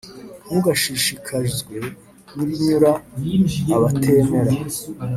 Ntugashishikazwe n’ibinyura abatemera,